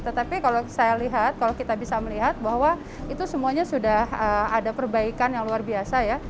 tetapi kalau saya lihat kalau kita bisa melihat bahwa itu semuanya sudah ada perbaikan yang luar biasa ya